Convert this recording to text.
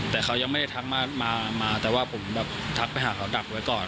แต่เขายังไม่ได้ทักมาแต่ว่าผมแบบทักไปหาเขาดักไว้ก่อน